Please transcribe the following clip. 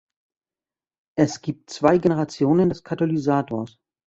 Es gibt zwei Generationen des Katalysators.